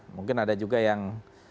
mungkin ada juga yang